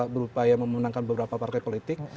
berupaya memenangkan beberapa partai politik